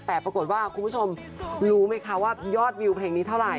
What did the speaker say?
แต่ปรากฏว่าคุณผู้ชมรู้ไหมคะว่ายอดวิวเพลงนี้เท่าไห